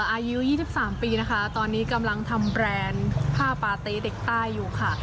อายุ๒๓ปีนะคะตอนนี้กำลังทำแบรนด์ผ้าปาเต๊เด็กใต้อยู่ค่ะ